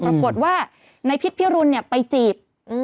ปรากฏว่าในพิษพิรุณไปจีบ